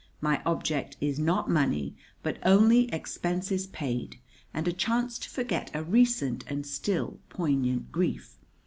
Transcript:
My object is not money, but only expenses paid and a chance to forget a recent and still poignant grief.